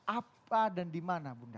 apa dan di mana bunda